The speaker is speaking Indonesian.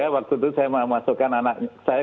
waktu itu saya mau masukkan anak saya ke sekolah